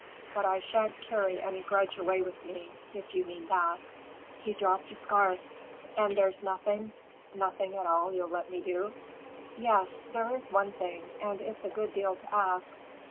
But I shan't carry any grudge away with me, if you mean that." He dropped the scarf. "And there's nothing—nothing at all you'll let me do?" "Yes, there is one thing, and it's a good deal to ask.